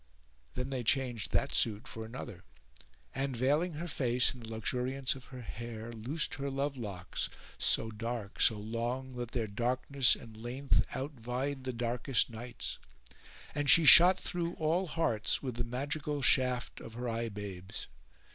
Then they changed that suit for another and, veiling her face in the luxuriance of her hair, loosed her lovelocks, so dark, so long that their darkness and length outvied the darkest nights, and she shot through all hearts with the magical shaft of her eye babes.